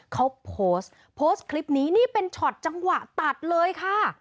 เขาโพสต์โพสต์คลิปนี้นี่เป็นช็อตจังหวะตัดเลยค่ะ